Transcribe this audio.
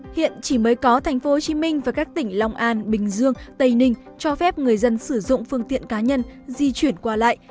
hiện chỉ mới có thành phố hồ chí minh và các tỉnh long an bình dương tây ninh cho phép người dân sử dụng phương tiện cá nhân di chuyển qua lại